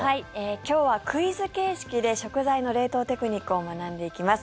今日はクイズ形式で食材の冷凍テクニックを学んでいきます。